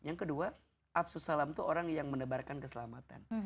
yang kedua afsussalam tuh orang yang mendebarkan keselamatan